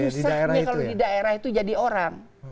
susahnya kalau di daerah itu jadi orang